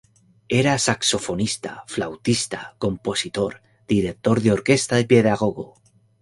Era saxofonista, flautista, compositor, director de orquesta y pedagogo.